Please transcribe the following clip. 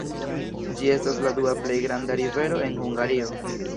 Ĝi estas la dua plej granda rivero en Hungario.